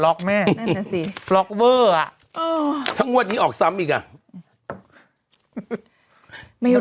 ล๊อกแม่แน่ตัวทั้งงวดนี้ออกซ้ำอีกอะไม่รู้